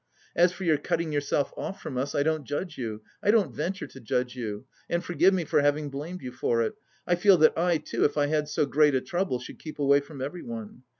As for your cutting yourself off from us, I don't judge you, I don't venture to judge you, and forgive me for having blamed you for it. I feel that I too, if I had so great a trouble, should keep away from everyone.